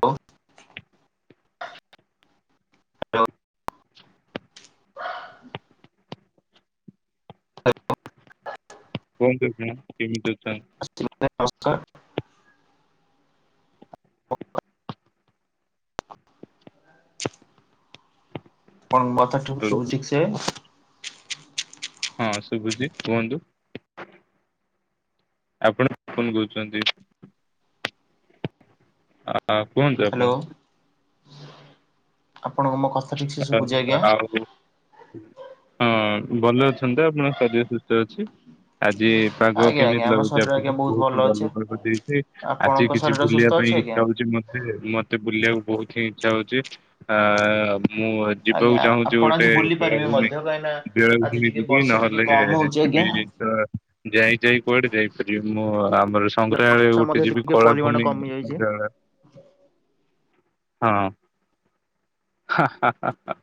Hello. କୁହନ୍ତୁ ଆଜ୍ଞା କେମିତି ଅଛନ୍ତି? [unintelligible] ନମସ୍କାର୍। ଆପଣଙ୍କୁ ମୋ କଥା ଠିକ୍ ହ୍ୟାଲୋ ଶୁଭୁଚି ଠିକ୍ ସେ? ହଁ ଶୁଭୁଛି କୁହନ୍ତୁ। ଆପଣ କଣ କରୁଛନ୍ତି? ଆ କୁହନ୍ତୁ। ଆପଣ ହ୍ୟାଲୋ ଆପଣଙ୍କୁ ମୋ କ ଆଉ ହଁ ଭଲ ଅଛନ୍ତି ତ ଆପଣଙ୍କ ଶରୀର ସୁଶ୍ ଅଛି ଆଜି ପାଗ ଆଜ୍ଞା ଆଜ୍ଞା କେମିତି ଆମ ଲାଗୁଛି ଶରୀର ଆଜ୍ଞା ଆପଣଙ୍କୁ ବହୁତ ହି ଅଛି। ଭଲ ପାଗ ଦେଇଛି। ଆପଣଙ୍କ ଆଜି କିଛି ଶରୀର ସୁସ୍ଥ ବୁଲିବା ଅଛି ପାଇଁ ଆଜ୍ଞା? ଇଚ୍ଛା ହଉଛି ମତ୍ ମତେ ବୁଲିବାକୁ ବୋହୁତ ହିଁ ଇଚ୍ଛା ହଉଛି ଆ ମୁଁ [unintelligible] ଆଜ୍ଞା ଯିବାକୁ ଚାହୁଁଛି ଆପଣ ଆଜି ଗୋଟେ ବୁଲି ପାରିବେ ବେଳାଭୂମି ମଧ୍ୟ କାହିଁକିନା ଆଜି ବେଳାଭୂମି ଟିକେ ଯିବି ବର୍ଷା ଟିକେ ନହେଲେ କମ ହଉଛି ଆଜ୍ଞା। ଯିବି [unintelligible] ଯାଇ ଯାଇ କୁଆଡେ ଯାଇପାରିବି ମୁଁ [unintelligible] ସଂଗ୍ରହାଳୟ ବର୍ଷା ମଧ୍ୟ ଗୋଟେ ଯିବି ଟିକେ ପରିମାଣ କଳାଭୂମି କମି ଯାଇଛି ସଂଗ୍ରହାଳୟ ହଁ। ହା ହା ହା।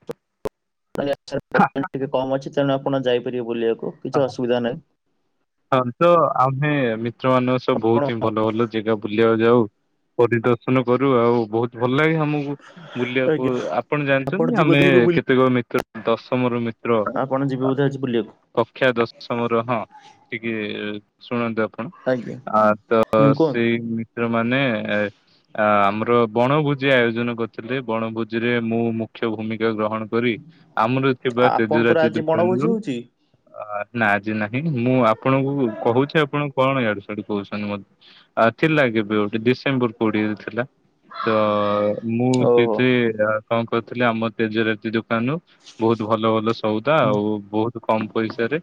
ବର୍ଷା ର ପରିମାଣ ଟିକେ କମ୍ ଅଛି ତେଣୁ ଆପଣ ଯାଇପାରିବେ ବୁଲିବାକୁ କିଛି ହଁ। ଅସୁବିଧା ନାହିଁ। ହଁ ତ ଆମେ ମିତ୍ର ମାନଙ୍କ ସହ ଆପଣ ବହୁତି ଭଲ ଭଲ ଯେଗା ବୁଲିବାକୁ ଯାଉ ପରିଦର୍ଶନ କରୁ ଆଉ ବୋହୁତ ଭଲ ଲାଗେ ଆମକୁ। ବୁଲିବାକୁ ଆଜ୍ଞା ଆପଣ ଜାଣିଛନ୍ତି ଯିବେ ଆମେ ବୋଧେ ବୁଲି କେତେକ ମିତ୍ର ଦଶମ ରୁ ମିତ୍ର। ଆପଣ ଯିବେ ବୋଧେ ଆଜି ବୁଲିବାକୁ। କକ୍ଷା ଦଶମ ର ହଁ ଟିକେ ଶୁଣନ୍ତୁ ଆପଣ। ଆଜ୍ଞା। ଆ ତ ହୁଁ କୁହନ୍ତୁ ସେଇ ମିତ୍ର ମାନେ ଏ ଆ ଆମର ବଣଭୋଜି ଆୟୋଜନ କରିଥିଲେ ବଣଭୋଜିରେ ମୁଁ ମୁଖ୍ୟ ଭୂମିକା ଗ୍ରହଣ କରି ଆମର ଥିବା ଆପଣଙ୍କର ତେଜରାତି ଆଜି ବଣଭୋଜି ଦୋକାନରୁ ହଉଛି? ଆ ନା ଆଜି ନାହିଁ। ମୁଁ ଆପଣଙ୍କୁ କହୁଚି ଆପଣ କଣ ୟାଡୁ ସିଆଡୁ କହୁଛନ୍ତି ମତେ। ଆର୍ଥୀ ଲାଗିବି [unintelligible] ବର କୋଡିଏରେ ଥିଲା ତ ମୁଁ ସେଥିରେ କଣ କରଥିଲି ଆମ ତେଜରାତି ଦୋକାନରୁ ବୋହୁତ ଭଲ ଭଲ ସଉଦା ଆଉ ବୋ କମ୍ ପଇସା ରେ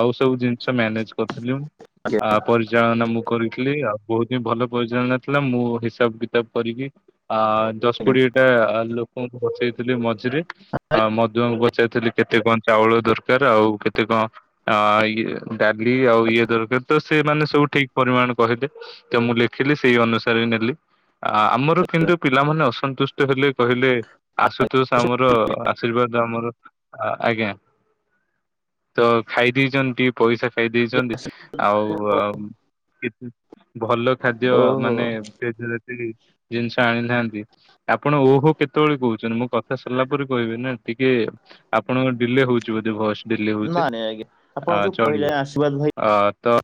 ଆଉ ସବୁ ଜିନିଷ ମ୍ୟାନେଜ କରୁଥିଲି ମୁଁ। ଆଜ୍ଞା, ଆ ପରିଚାଳନା ମୁଁ କରିଥିଲି ଆଉ ବୋହୁତି ଭଲ ପରିଚାଳନା ଥିଲା ମୁଁ ହିସାବ କିତାବ କରିକି ଆ ଦଶ ଆଜ୍ଞା, କୋଡିଏ ଟା ଲୋକଙ୍କୁ ବଚେଇଥିଲି ମଝିରେ ଆ ମଧୁଆଙ୍କୁ ପଚାରିଇଥିଲି କେତେ କଣ ଚାଉଳ ଦରକାର ଆଉ କେତେ କଣ ଆ ଇ ଇ ଡାଲି ଆଉ ଇଏ ଦରକାର ତ ସେମାନେ ସବୁ ଠିକ ପରିମାଣ କହିଦେ ତ ମୁଁ ଲେଖିଲି ସେଇ ଅନୁସାରେ ନେଲି ଆ ଆମର ଆଜ୍ଞା, କିନ୍ତୁ ପିଲାମାନେ ଅସନ୍ତୁଷ୍ଟ ହେଲେ କହିଲେ ଆଶୁତୋଷ ଆମର ଆଜ୍ଞା, ଆଶୀର୍ବାଦ ଆମର। ଆ ଆଜ୍ଞା ତ ଖାଇଦେଇଛନ୍ତି ଟିକେ ପଇସା ଖାଇ ଦେଇଛନ୍ତି ଆଜ୍ଞା ଆଉ ସେଠୁ ଭଲ ଖାଦ୍ୟ ଓହୋ! ମାନେ ତେଜରାତି ଜିନ୍ ଜିନିଷ ଆଣିଥାନ୍ତି। ଆପଣ ଓହୋ କେତେବେଳେ କହୁଛନ୍ତି ମୋ କଥା ସରିଲା ପରେ କହିବେ ନା ଟିକେ ଆପଣଙ୍କ ଡିଲେ ହଉଚି ବୋଧେ ଭଏସ୍ ଡିଲେ ହଉଚି ନାଇଁ, ନାଇଁ ଆଜ୍ଞା ଆପଣ ଆ ଯୋଉ କହିଲେ ଆଶୀର୍ବାଦ ଭାଇ। ଅ ତ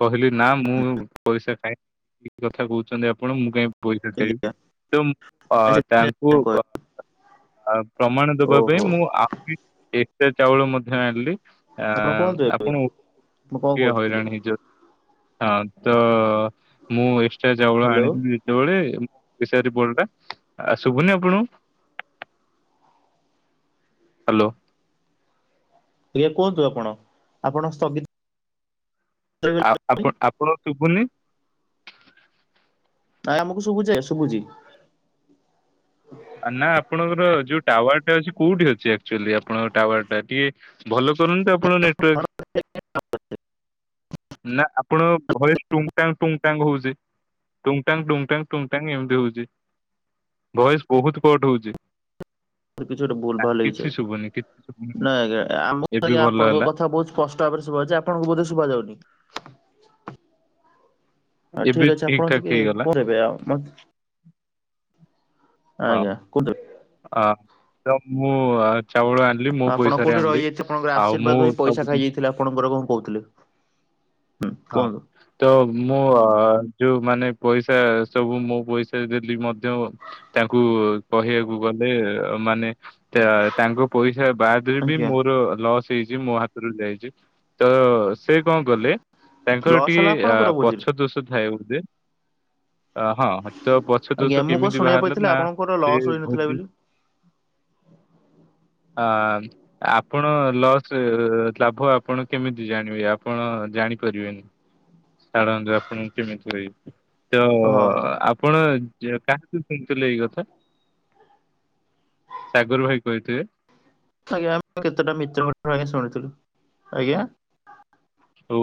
କହିଲି ନା ମୁଁ ପଇସା ଖାଇ କି କଥା କହୁଛନ୍ତି ଆପଣ ମୁଁ କାହିଁ ପଇସା ଖାଇବି। ଆଜ୍ଞା ତୁମ୍ ଅ ସେଥିପାଇଁ ତାଙ୍କୁ ମୁଁ କହିଲି ଅଁ ଆ ପ୍ରମାଣ ଦବା ପାଇଁ ଓହୋ! ମୁଁ ଆହୁରି ଏକ୍ସଟା ଚାଉଳ ମଧ୍ୟ ଆଣିଲି। ଆ ଆପଣ କୁହନ୍ତୁ ଏବେ ଆପଣ ମୁଁ କଣ କିଏ କହୁଥିଲି? ହଇରାଣ ହେଇ ହଁ ତ ମୁଁ ଏକ୍ସଟ୍ରା ଚାଉଳ ହ୍ୟାଲୋ, ଆଣିଥିବି। ଯେତେବେଳେ [inaudible] ଆ ସୁଭୁନି ଆପଣଙ୍କୁ ହାଲୋ ଆଜ୍ଞା କୁହନ୍ତୁ ଆପଣ ଆପଣ ସ୍ଥଗିତ ରହିଗଲେ ଆଉ ଆପ ଆପଣଙ୍କୁ ଶୁଭୁନି। ନାଇଁ ଆମକୁ ଶୁଭୁଛେ ଶୁଭୁଛି ନା ଆପଣଙ୍କର ଯୋଉ ଟାୱାର ଟା ଅଛି କୋଉଠି ଅଛି ଆକ୍ଚୁଆଲି ଆପଣଙ୍କ ଟାୱାର ଟା ଟିକେ ଭଲ କରନ୍ତୁ ଆପଣ ନେଟୱାର୍କ [inaudible] ନା ଆପଣ ଭଏଜ୍ ଟୁଙ୍ଗ ଟାଙ୍ଗ ଟୁଙ୍ଗ ଟାଙ୍ଗ ହଉଚି। ଟୁଙ୍ଗ ଟାଙ୍ଗ ଟୁଙ୍ଗ ଟାଙ୍ଗ ଟୁଙ୍ଗ ଟାଙ୍ଗ ଏମିତି ହଉଚି ଭଏଜ ବୋହୁତ କଟ ହଉଚି। [inaudible] କିଛି ଗୋଟେ ଭୁଲ୍ ଭାଲ୍ ହେଇଚେ। ଶୁଭୁନି କିଛି ଶୁଭୁନି ନାଇଁ ଆଜ୍ଞା ଆମକୁ ଏବେ ଆଜ୍ଞା ଭଲ ଆପଣଙ୍କ ହେଲା କଥା ବହୁତ୍ ସ୍ପଷ୍ଟ ଭାବରେ ଶୁଭା ଯାଉଚି। ଆପଣଙ୍କୁ ବୋଧେ ଶୁଭା ଯାଉନି। ହଁ ଏବେ ଠିକ୍ ଅଛି ଠିକ ଆପଣ ଠାକ ଟିକେ ହେଇଗଲା କହିଦେବେ। ଆଉ ମତ୍ ଆଜ୍ଞା କୋଉଠଦେବେ? ଆ ତ ମୁଁ ଆ ଚାଉଳ ଆଣ ଆପଣ କୋଉଠି ରହିଯାଇଛି ଆପଣଙ୍କର ଆଶୀର୍ବାଦ ହେଇ ପଇସା ସବୁ ଜିନି- ଖାଇଯାଇଥିଲା ଆପଣଙ୍କର କଣ କହୁଥିଲେ ହଁ। କୁହନ୍ତୁ। ତ ମୁଁ ଆ ଯୋଉ ମାନେ ପଇସା ସବୁ ମୁଁ ପଇସା ଦେଲି ମଧ୍ୟ ତାଙ୍କୁ କହିବାକୁ ଗଲେ ମାନେ ତା ତାଙ୍କ ପଇସା ବାଦ୍ ଦେଇ ବି ଆଜ୍ଞା ମୋର ଲସ୍ ହେଇଚି। ମୋ ହାତରୁ ଯାଇଚି ତ ସେ କଣ କଲେ ତାଙ୍କର ଲସ୍ ଟିକେ ହେଲା ଆ ଆପଣଙ୍କର ଭୋଜିରେ? ପଛ ଦୋଷ ଥାଏ ବୋଧେ ଅ ହଁ ତ ପଛ୍ ଆଜ୍ଞା ମୁଁ କଣ ଶୁଣିବାକୁ ପାଇଥିଲି ଆପଣଙ୍କର ଲସ୍ ହୋଇନଥିଲା ଭୋଜି ବୋଲି? ଆ ଆପଣ ଲସ୍ ରେ ଲାଭ ଆପଣ କେମିତି ଜାଣିବେ ଆପଣ ଜାଣି କରିବେନି ଛାଡ଼ନ୍ତୁ ଆପଣ କେମିତି କରିବେ ତ ହଁ ହଁ। ଆପ୍ ଆପଣ ଯେ କାହାଠୁ ଶୁଣିଥିଲେ ଏଇ କଥା? ସାଗର ଭାଇ କହିଥିବେ। ଆଜ୍ଞା ଆମ୍ କେତେଟା ମିତ୍ରଙ୍କ ଠାରୁ ଆଜ୍ଞା ଶୁଣିଥିଲୁ। ହଉ।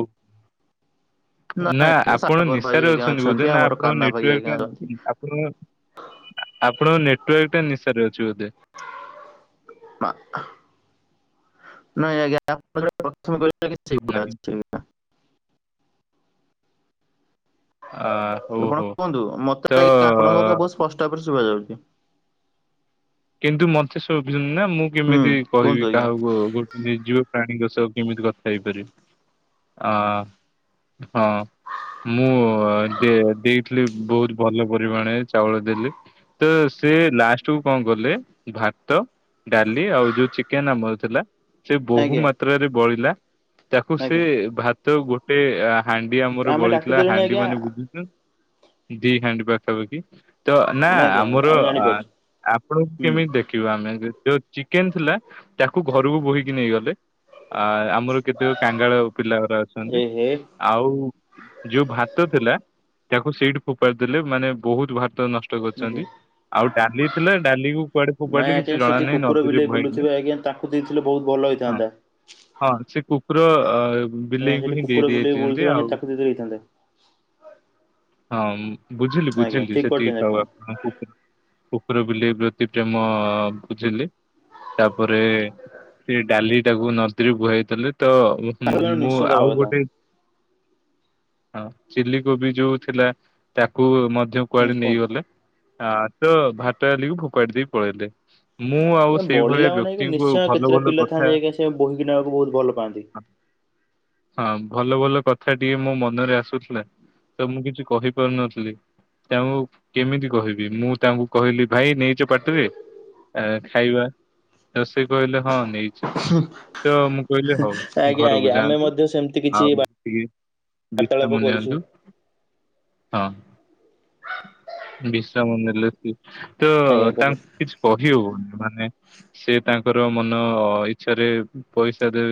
ନା ନାଇଁ ଆଜ୍ଞା ଆପଣ ସାଗର ଭାଇ ନିଶାରେ ଆଜ୍ଞା ଅଛନ୍ତି ବୋଧେ ନା ଆମର ଆପଣ କାହ୍ନା ଭାଇ ଆଜ୍ଞା ଅଛନ୍ତି। ନେଟୱାର୍କ ଆପଣଙ୍କ ନେଟୱାର୍କଟା ନିଶାରେ ଅଛି ବୋଧେ। ନାଇଁ ଆଜ୍ଞା ନାହିଁ [unintelligible] ଆ ହଉ ଆପଣ ହଉ। କୁହନ୍ତୁ ତ ମତେ ଆଜ୍ଞା ଆପଣଙ୍କ କଥା ବହୁତ ସ୍ପଷ୍ଟ ଭାବରେ ଶୁଭାଯାଉଚି। କିନ୍ତୁ ମତେ ଶୁଭୁନି ନା ମୁଁ ହୁଁ କେମିତି କୁହନ୍ତୁ କହିବି ଆଜ୍ଞା। କାହାକୁ ଆଉ? ଗୋଟ୍ ନିର୍ଜୀବ ପ୍ରାଣୀଙ୍କ ସହ କେମିତି କଥା ହେଇପାରିବି ଆ ହଁ। ମୁଁ ଅ ଦେ ଦେଇଥିଲି ବହୁତ ଭଲ ପରିମାଣରେ ଚାଉଳ ଦେଲି ତ ସେ ଲାଷ୍ଟ କୁ କଣ ଗଲେ ଭାତ ଡାଲି ଆଉ ଯୋଉ ଚିକେନ ଆମର ଥିଲା ସେ ବହୁ ଆଜ୍ଞା ମାତ୍ ତ୍ରରେ ବଳିଲା ତାକୁ ସେ ଆଜ୍ଞା ଭାତ ଗୋଟେ ଆ ହାଣ୍ଡି ଆମର ଆମେ ବଳିଥିଲା ଡାକିଦେଲୁଣି ହାଣ୍ଡି ଆଜ୍ଞା ମାନେ ବୁଝୁଚୁ ଦି ହାଣ୍ଡି ପାଖାପାଖି ତ ନା ଆଜ୍ଞା ଆମର ଆମେ ଆ ଜାଣିପାରୁଛୁ। ଆପଣଙ୍କୁ ହୁଁ କେମିତି ଦେଖିବ ଆମେ ଯୋଉ ଚିକେନ ଥିଲା ତାକୁ ଘରୁକୁ ବୋହିକି ନେଇଗଲେ। ଆ ଆମର କେତେ କାଙ୍ଗାଳ ପିଲାଗରା ଅଛନ୍ତି। ଏ ହେ ଆଉ ଯୋଉ ଭାତ ଥିଲା ତାକୁ ସେଇଠି ଫୋପାଡି ଦେଲେ ମାନେ ବହୁତ ଭାତ ନଷ୍ ଷ୍ଟ ଆଜ୍ଞା। କରୁଛନ୍ତି ଆଉ ଡାଲି ଥିଲା ଡାଲି କୁ କୁଆଡେ ନାଇଁ ଫୋପାଡିଲେ ଆଜ୍ଞା କିଛି ଜଣା ସେଠି ନାହିଁ କୁକୁର ନଦୀକି ବିଲେଇ ବୁହାଇ ଥାନ୍ତେ। ବୁଲୁଥିବେ ଆଜ୍ଞା ତାକୁ ଦେଇଥିଲେ ବହୁତ ଭଲ ହେଇଥାନ୍ତା। ହଁ ସେ କୁକୁର ଅ ଆଜ୍ଞା ବିଲେଇଙ୍କୁ ସେଠି ହିଁ ଦେଇ କୁକୁର ବିଲେଇ ଦେଇଚିନ୍ତି ବୁଲୁଥିଲା ଆଜ୍ଞା ଆଉ ତାକୁ ଦେଇଦେଲେ ହେଇଥାନ୍ତା ହଁ ବୁଝିଲି ଆଜ୍ଞା ବୁଝିଲି ଠିକ ସେତିକି କରିଛନ୍ତି ଥାଉ ଆପଣ। ଆପଣଙ୍କୁ କୁକୁର ବିଲେଇ ପ୍ରତି ପ୍ରେମ ବୁଝିଲି। ତାପରେ ସେ ଡାଲି ଟାକୁ ନଦୀରେ ବୁହାଇଥିଲେ ତ ହୁଁ ହୁଁ ତାକୁ ମୁଁ ନିଶ୍ଚୟ ଦବା ଆଉ କଥା ଗୋଟେ ହଁ ଚିଲି କୋବି ଯୋଉ ଥିଲା ତାକୁ ମଧ୍ୟ ହୁଁ କୁଆଡେ କୁହନ୍ତୁ ନେଇଗଲେ ଆ ତ ଭାତ ଆଲିକୁ ଫୋପାଡି ଦେଇ ପଳେଇଲେ। ମୁଁ ଆଉ ଆଜ୍ଞା ବଳିଲା ସେଇଭଳିଆ ମାନେ ଆଜ୍ଞା ବ୍ୟକ୍ତିଙ୍କୁ ନିଶ୍ଚୟ ଆଉ ଭଲ କେତେଟା ଭଲ ପିଲା ଥାନ୍ତି କଥା। ଆଜ୍ଞା ସେ ବୋହିକି ନେବାକୁ ବହୁତ ଭଲ ପାଆନ୍ତି। ହଁ ଭଲ ଭଲ କଥା ଟିଏ ମୋ ମନରେ ଆସୁଥିଲା। ତ ମୁଁ କିଛି କହିପାରୁନଥିଲି ତାଙ୍କୁ କେମିତି କହିବି ମୁଁ ତାଙ୍କୁ କହିଲି ଭାଇ ନେଇଚ ପାଟିରେ ଏ ଖାଇବା ସେ କହିଲେ ହଁ ନେଇ ଚି ତ ମୁଁ କହିଲି ହଉ ଆଜ୍ଞା ଘରକୁ ଆଜ୍ଞା ଆମେ ଯାଆନ୍ତୁ ମଧ୍ୟ ସେମିତି କିଛି ଆଉ ଟିକେ ବାର୍ତ୍ତାଳାପ ବିଶ୍ରାମ କରିଛୁ ନିଅନ୍ତୁ ହଁ ବିଶ୍ରାମ ନେଲେ ବି ତ ଆଜ୍ଞା କରୁ ତାଙ୍କୁ କିଛି କହି ହବନି ମାନେ ସେ ତାଙ୍କର ମନ ଇଚ୍ଛାରେ ପଇସା ରେ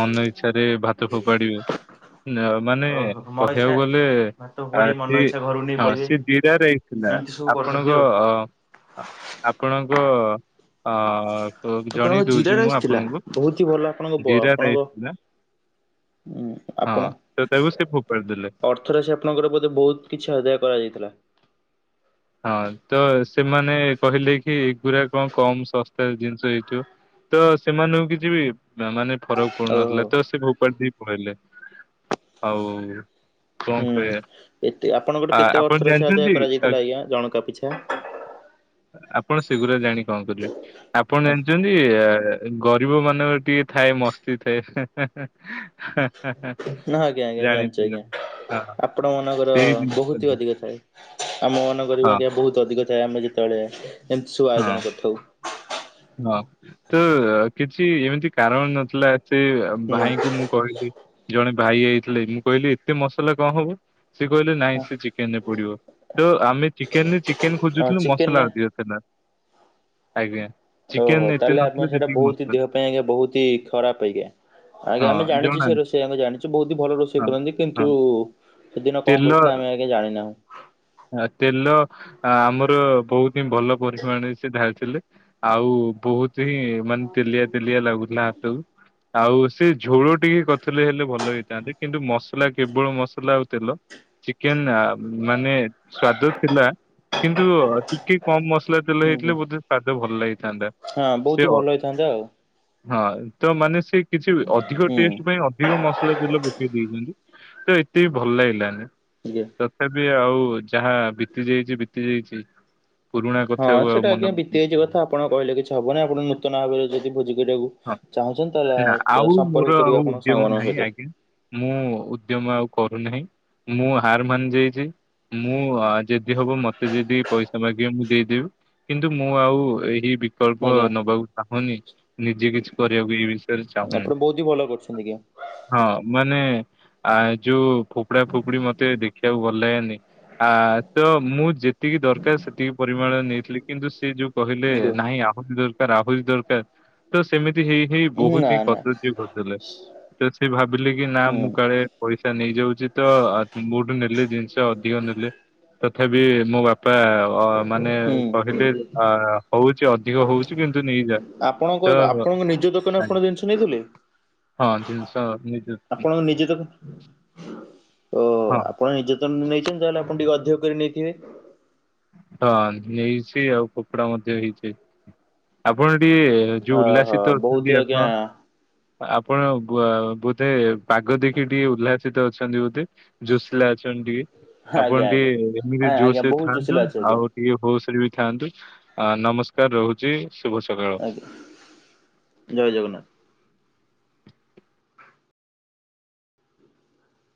ମନ ଇଚ୍ଛାରେ ଭାତ ଫୋପାଡିବ ମାନେ ଓହୋ ମନ ଇଚ୍ଛା କହିବାକୁ ଗଲେ ଭାତ ଆ ଫୋପାଡି ସେ ମନ ଇଛା ଘରୁକୁନେ ହଁ ସିଏ ଦିଡା ରାଇଶି ଥିଲା କରୁଛନ୍ତି ଆଉ। ଆପଣଙ୍କ ଅ ଅ ଆପଣଙ୍କ ଅ ଆପଣଙ୍କ ଜଣେଇ ଜିରା ଦଉଛି ମୁଁ ରାଇସି ଥିଲା ଆପଣଙ୍କୁ ବହୁତ ଭଲ ଆପଣଙ୍କ ବ ଜିରା ରାଇସ୍ ଆପଣଙ୍କ ଥିଲା ହୁଁ ହଁ ଆପଣ ତ ତାକୁ ସେ ଫୋପାଡି ଦେଲେ। ଅ ଥରାଶି ଆପଣଙ୍କର ବୋଧେ ବହୁତ କିଛି ଆଦାୟ କରାଯାଇଥିଲା। ହଁ ତ ସେମାନେ କହିଲେ କି ଏଗୁରା କଣ କମ ଶସ୍ତା ରେ ଜିନିଷ ହେଇଥିବ। ତ ସେମାନଙ୍କୁ କିଛି ବି ମାନେ ଫରକ୍ ଫୋନ୍ ଓହୋ ନଥିଲା ତ ସେ ଫୋପାଡ଼ି ଦେଇକି ପଳେଇଲେ ଆଉ କଣ ହୁଁ କହିବା ଏତେ ଆପଣଙ୍କ ଠୁ ଆ କେତେ ଆପଣ ଅର୍ଥ ରାଶି ଆଦାୟ ଜାଣିଛନ୍ତି କରାଯାଇଥିଲା ଆଜ୍ଞା ଜଣକା ପିଛା? ଆପଣ ସେଗୁୁରା ଜାଣି କଣ କରିବେ ଆପଣ ଜାଣିଛନ୍ତି? ଗରିବ ମାନଙ୍କ ଟିକେ ଥାଏ ମସ୍ତି ଥାଏ। ନା ଆଜ୍ଞା ଆଜ୍ଞା ଜାଣିଛୁ ଜାଣିଥିଲ ଆଜ୍ଞା ହଁ ଆପଣ ମାନଙ୍କର ସେଇ ଜିନିଷ ବହୁତ ହି ଅଧିକ ଥାଏ। ଆମ ମାନଙ୍କର ବି ହଁ ଆଜ୍ଞା ବହୁତ ଅଧିକ ଥାଏ। ଆମେ ଯେତେବେଳେ ଏମିତି ସବୁ ହଁ। ଆୟୋଜନ କରିଥାଉ। ହଁ ତ କିଛି ଏମିତି କାରଣ ନଥିଲା ସେ ହୁଁ ଭାଇଙ୍କୁ ମୁଁ କହିଲି ଜଣେ ଭାଇ ଆଇଥିଲେ କି କହିଲି ଏତେ ମସଲା କ ହବ? ସେ କହିଲେ ନାଇଁ ସେ ଚିକେନ ରେ ପଡିବ ତ ଆମେ ଚିକେନ ରେ ଚି କେନ ଖୋଜୁଥିଲୁ ଚିକେନ ମସଲା ନା ଅଧିକ୍ ଥିଲା ଆଜ୍ଞା। ଓହୋ ଚିକେନ ଏତେ ତାହେଲେ ଆପଣ ନଥିଲା ସେଇଟା ଯେତିକି ବହୁତି ମସଲା ଦେହ ପାଇଁ ଆଜ୍ଞା ବହୁତି ଖରାପ ଆଜ୍ଞା। ଆଜ୍ଞା ଆମେ ହଁ ଜାଣିଛୁ ଜଣା ସେ ରୋଷେୟା ଙ୍କୁ ଜାଣିଛୁ ବହୁତ ଭଲ ରୋଷେଇ ହଁ କରନ୍ତି ହଁ କିନ୍ତୁ ସେଦିନ କଣ ତେଲ କରିଥିଲେ ଆମେ ଆଜ୍ଞା ଜାଣିିନାହୁ। ଆ ତେଲ ଆମର ବହୁତ ହିଁ ଭଲ ପରିମାଣରେ ସେ ଢାଳିଥିଲେ। ଆଉ ବହୁତ ହିଁ ମାନେ ତେଲିଆ ତେଲିଆ ଲାଗୁଥିଲା ହାତକୁ। ଆଉ ସେ ଝୋଳ ଟିକେ କରିଥିଲେ ହେଲେ ଭଲ ହେଇଥାନ୍ତେ କିନ୍ତୁ ମସଲା କେବଳ ମସଲା ଆଉ ତେଲ। ଚିକେନ ମାନେ ସ୍ଵାଦ ଥିଲା। କିନ୍ତୁ ଟିକେ କମ ମସଲା ତେଲ ଆଜ୍ଞା ହେଇଥିଲେ ବୋଧେ ସ୍ଵାଦ ଭଲ ଲାଗିଥାନ୍ତା। ହଁ ବହୁତ ସେ ହି ହଁ ଭଲ ହେଇଥାନ୍ତା ଆଉ ତ ମାନେ ସେ କିଛି ଅଧିକ ହୁଁ ଟେଷ୍ଟ ପାଇଁ ଅ ଅଧିକ ମସଲା ତେଲ ପକେଇ ଦେଇପାରୁ ତ ଏତେ ବି ଭଲ ଲାଗିଲାନି। ଆଜ୍ଞା। ତଥାପି ଆଉ ଯାହା ବିତି ଯାଇଛି ବିତି ଯାଇଛି। ପୁରୁଣା ହଁ କଥାକୁ ଆଉ ସେଇଟା ମନେ ଆଜ୍ଞା ପକଉନି ବିତିଯାଇଛି କଥା ଆପଣ କହିଲେ କିଛି ହବନି ଆପଣ ନୂତନ ଭାବରେ ଯଦି ଭୋଜି କରିବାକୁ ଚାହୁଁଛନ୍ତି ହଁ ନା ତାହେଲେ ଆଉ ସମ୍ପର୍କ ମୋର କରିବେ ଆଉ ଆପଣଙ୍କ ଉଦ୍ୟମ ସାଙ୍ଗମାନଙ୍କ ନାହିଁ ସହିତ। ଆଜ୍ଞା। ମୁଁ ଉଦ୍ୟମ ଆଉ କରୁନାହିଁ ମୁଁ ହାର ମାନି ଯାଇଛି। ମୁଁ ଯଦି ହବ ମତେ ଯଦି ପଇସା ମାଗିବେ ମୁଁ ଦେଇଦେବି। କିନ୍ତୁ ମୁଁ ଆଉ ଏହି ବିକଳ୍ପ ଆଜ୍ଞା ନବାକୁ ଚାହୁଁନି। ନିଜେ କିଛି କରିବାକୁ ଏଇ ବିଷୟରେ ଚାହୁଁନି। ଆପଣ ବହୁତ ହି ଭଲ କରୁଛନ୍ତି ଆଜ୍ଞା ହଁ ମାନେ ଆ ଯୁ ଫୁପୁଡା ଫୁପୁଡ଼ି ମତେ ଦେଖିବାକୁ ଵ ଭଲ ଲାଗେନି ଆ ତ ମୁଁ ଯେ ତିକି ଦରକାର ସେତିକି ପରିମାଣ ନେଇଥିଲେି କିନ୍ତୁ ସେ ଯୋଉ କହିଲେ ଆଜ୍ଞା। ନାହିଁ ଆହୁରି ଦର ଆହୁରି ଦରକାର ତ ସେମିତି ହେଇ ହେଇ ନା ବହୁତି ନା କଦର୍ଯ୍ୟ କରିଦେଲେ ତ ସେ ଭାବିଲେ କି ନା ହୁଁ ମୁଁ କାଳେ ପଇସା ନେଇଯାଉଛି ତ ମୋ ଠୁ ନେଲେ ଜିନିଷ ଅଧିକ ନେଲେ ତଥାପି ମୋ ବାପା ଅ ମାନେ ହୁଁ କହିଲେ ହଉଛି ଅଧିକ ହଉଛି କିନ୍ତୁ ନେଇଯା। ତ ଆପଣଙ୍କ ଆପଣଙ୍କ ନିଜ ଦୋକାନରେ ଆପଣ ଜିନିଷ ନେଇଥିଲେ? ହଁ ଜିନିଷ ନିଜ ଆପଣ ନିଜେ ତାକୁ। ଓହୋ ହଁ ଆପଣ ନିଜେ ତ ନେଇଛନ୍ତି ତାହେଲେ ଆପଣ ଟିକେ ଅଧିକ କରି ନେଇଥିବେ। ହଁ ନେଇଛି ଆଉ ଖୋପଡା ମଧ୍ୟ ହେଇଛି। ଆପଣ ଟିକେ ଯୋଉ ଓହୋ ଉଲ୍ଲାସିତ ବହୁତ ହି ଅଛନ୍ତି ଆଜ୍ଞା ଆପଣ ଆପଣ ବ ବୋଧେ ପାଗ ଦେଖି ଟିକେ ଉଲ୍ହା ସିତ ଅଛନ୍ତି ବୋଧେ ଜୋସିଲା ଅଛନ୍ତି ଟିକେ। ଆଜ୍ଞା ଆପଣ ଆଜ୍ଞା। ଟିକେ ଏମିତି ହଁ ଆଜ୍ଞା ଜୋସରେ ବହୁତ ଥାଆନ୍ତୁ ଜୋସିଲା ଅଛି ଆଜ୍ଞା ଆଉ ଟିକେ ହୋସରେ ବି ଥାନ୍ତୁ ଆ ନମସ୍କାର ରହୁଛି ଶୁଭ ସକାଳ। ଆଜ୍ଞା। ଜୟ ଜଗନ୍ନାଥ